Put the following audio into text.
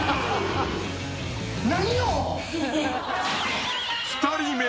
何よ！